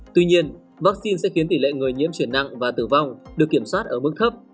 tuy nhiên vaccine sẽ khiến tỷ lệ người nhiễm chuyển nặng và tử vong được kiểm soát ở mức thấp